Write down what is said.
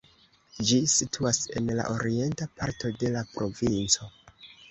Ĝi situas en la orienta parto de la provinco.